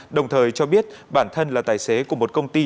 đồng thời cho biết bản thân là tài xế của một công ty